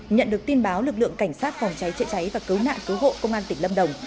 nhận được tin báo lực lượng cảnh sát phòng cháy chữa cháy và cứu nạn cứu hộ công an tỉnh lâm đồng